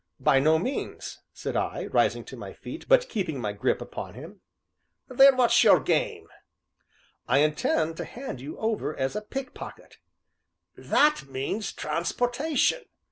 '" "By no means," said I, rising to my feet, but keeping my grip upon him. "Then what's your game?" "I intend to hand you over as a pickpocket." "That means 'Transportation'!"